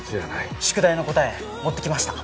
宿題の答え持ってきました。